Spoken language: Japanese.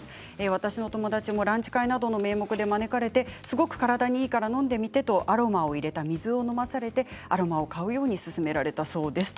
私の友達もランチ会などの名目で招かれてすごく体にいいからのんでみてとアロマを入れた水を飲まされて買うように勧められたということです。